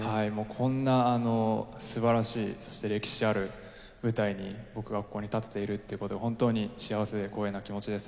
こんなすばらしいそして歴史ある舞台に僕がここに立てているっていうことが本当に幸せで光栄な気持ちです。